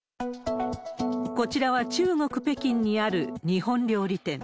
こちらは中国・北京にある日本料理店。